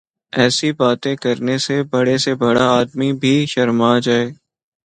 ایسی باتیں کرنے سے بڑے سے بڑا آدمی بھی شرما جائے۔